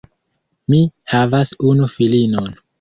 Mi havas unu filinon.